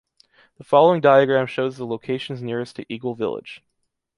The following diagram shows the localities nearest to Eagle Village.